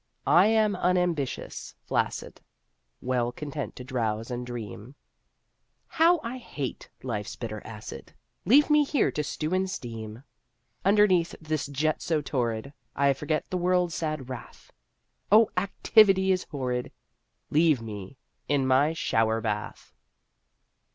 I am unambitious, flaccid, Well content to drowse and dream: How I hate life's bitter acid Leave me here to stew and steam. Underneath this jet so torrid I forget the world's sad wrath: O activity is horrid! Leave me in my shower bath!